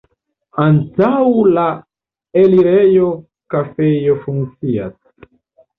Antaŭ la elirejo kafejo funkcias.